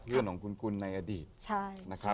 เพื่อนของคุณคุณในอดีต